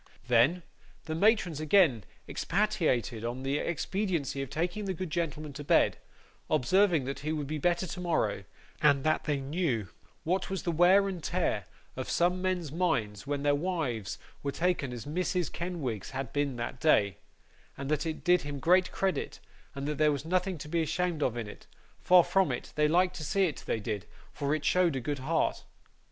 Then, the matrons again expatiated on the expediency of taking the good gentleman to bed; observing that he would be better tomorrow, and that they knew what was the wear and tear of some men's minds when their wives were taken as Mrs. Kenwigs had been that day, and that it did him great credit, and there was nothing to be ashamed of in it; far from it; they liked to see it, they did, for it showed a good heart.